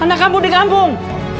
anak kamu di kampung